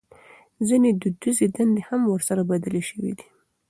ځينې دوديزې دندې هم ورسره بدلې شوې دي.